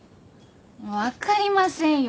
分かりませんよ